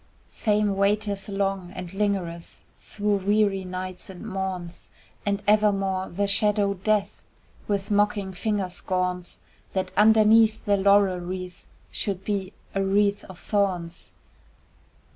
Fame waiteth long, and lingereth Through weary nights and morns And evermore the shadow Death With mocking finger scorns That underneath the laurel wreath Should be a wreath of thorns.